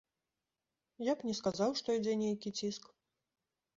Я б не сказаў, што ідзе нейкі ціск.